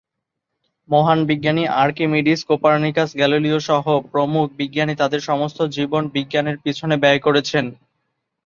মহান বিজ্ঞানী Archimedes, Copernicus, গ্যালিলিওসহ প্রমুখ বিজ্ঞানী তাদের সমগ্র জীবন বিজ্ঞানের পিছনে ব্যয় করেছেন।